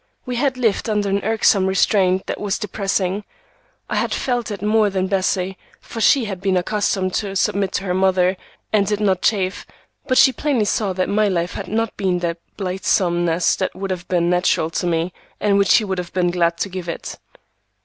We had lived under an irksome restraint that was depressing. I had felt it more than Bessie, for she had been accustomed to submit to her mother, and did not chafe, but she plainly saw that my life had not that blithesomeness that would have been natural to me, and which she would have been glad to give it.